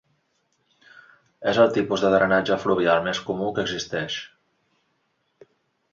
És el tipus de drenatge fluvial més comú que existeix.